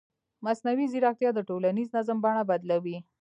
مصنوعي ځیرکتیا د ټولنیز نظم بڼه بدلوي.